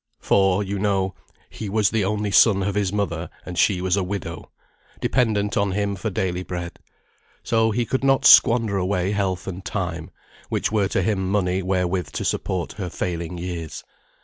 For, you know, "he was the only son of his mother, and she was a widow;" dependent on him for daily bread. So he could not squander away health and time, which were to him money wherewith to support her failing years.